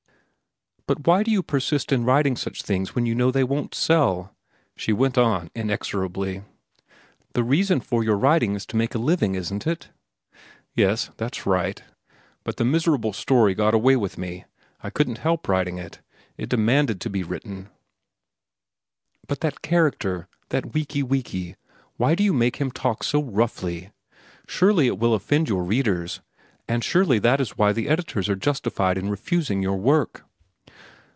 "But why do you persist in writing such things when you know they won't sell?" she went on inexorably. "The reason for your writing is to make a living, isn't it?" "Yes, that's right; but the miserable story got away with me. I couldn't help writing it. It demanded to be written." "But that character, that Wiki Wiki, why do you make him talk so roughly? Surely it will offend your readers, and surely that is why the editors are justified in refusing your work."